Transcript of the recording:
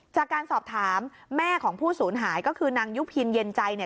จากการสอบถามแม่ของผู้สูญหายก็คือนางยุพินเย็นใจเนี่ย